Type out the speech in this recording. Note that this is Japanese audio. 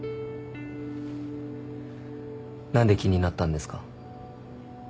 何で気になったんですか？